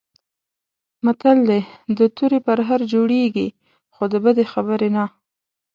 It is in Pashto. متل دی: د تورې پرهر جوړېږي، خو د بدې خبرې نه.